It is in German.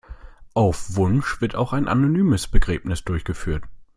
Auf Wunsch wird auch ein anonymes Begräbnis durchgeführt.